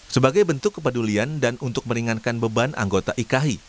sebagai bentuk kepedulian dan untuk meringankan beban anggota iki